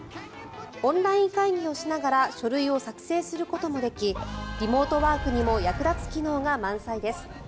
オンライン会議をしながら書類を作成することもできリモートワークにも役立つ機能が満載です。